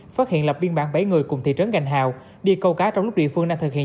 phát hiện lập biên bản bảy người cùng thị trấn gành hào đi câu cá trong lúc địa phương đang thực hiện